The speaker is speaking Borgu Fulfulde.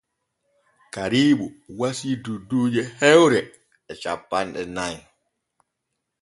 Kariimu wasii dunduuje hemre e cappanɗe nay.